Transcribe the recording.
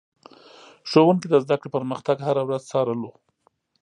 ښوونکي د زده کړې پرمختګ هره ورځ څارلو.